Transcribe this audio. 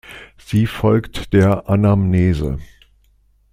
Sie folgt der Anamnese.